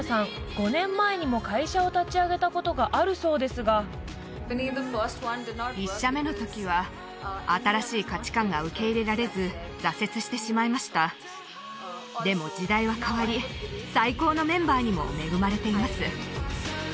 ５年前にも会社を立ち上げたことがあるそうですが１社目の時は新しい価値観が受け入れられず挫折してしまいましたでも時代は変わり最高のメンバーにも恵まれています